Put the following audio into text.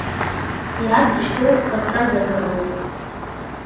Иара дзышьҭоу Кавказ агароуп.